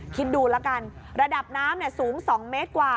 คิดดูแล้วกันระดับน้ำสูง๒เมตรกว่า